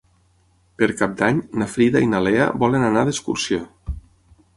Per Cap d'Any na Frida i na Lea volen anar d'excursió.